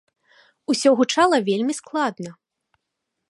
Усё гучала вельмі складна.